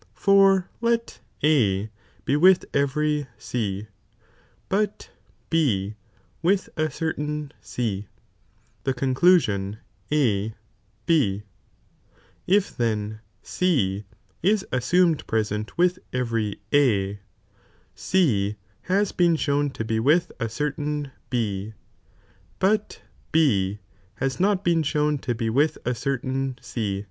For let A he with ^ every C, but B with a certain (C), the conclusion A B, if then C is assumed present with every A, C lias been shown to be with a certain B, but B has not been shown to be with a certain C.